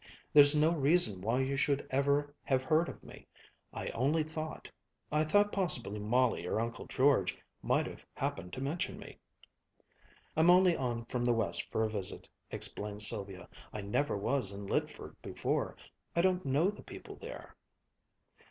There's no reason why you should ever have heard of me. I only thought I thought possibly Molly or Uncle George might have happened to mention me." "I'm only on from the West for a visit," explained Sylvia. "I never was in Lydford before. I don't know the people there."